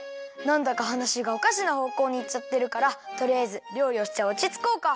なんだかはなしがおかしなほうこうにいっちゃってるからとりあえずりょうりをしておちつこうか。